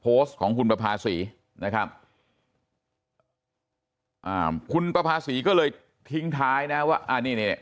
โพสต์ของคุณประภาษีคุณประภาษีก็เลยทิ้งท้ายนะว่า